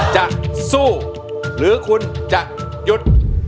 จะสู้หรือคุณจะหยุด